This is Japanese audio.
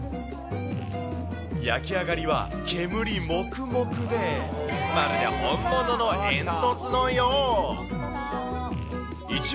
焼き上がりは煙もくもくで、まるで本物の煙突のよう。